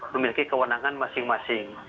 memiliki kewenangan masing masing